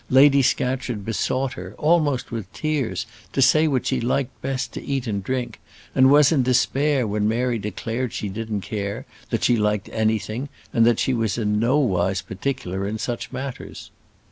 Lady Scatcherd besought her, almost with tears, to say what she liked best to eat and drink; and was in despair when Mary declared she didn't care, that she liked anything, and that she was in nowise particular in such matters.